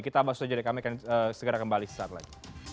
kita bahas saja kami akan segera kembali saat lain